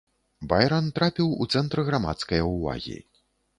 Байран трапіў у цэнтр грамадскае ўвагі.